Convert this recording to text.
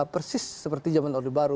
persis seperti zaman orde baru